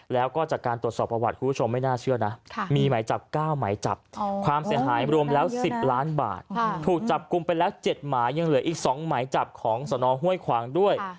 แล้วรออายัดตัวต่อจากสนมักกษัตริย์อายัดตัวดำเนินคดีต่อด้วย